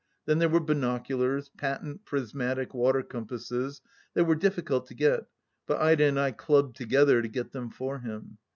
Then there were binoculars, patent prismatic water compasses, that were difficult to get, but Ida and I clubbed together to get them for him.